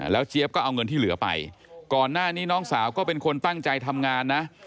เจี๊ยบก็เอาเงินที่เหลือไปก่อนหน้านี้น้องสาวก็เป็นคนตั้งใจทำงานนะ